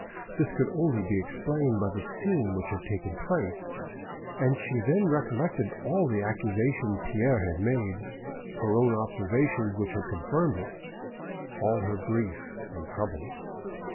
This could only be explained by the scene which had taken place, and she then recollected all the accusation Pierre had made, her own observations which had confirmed it, all her grief and trouble.